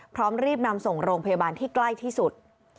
พร้อมรีบนำส่งโรงพยาบาลที่ใกล้ที่สุด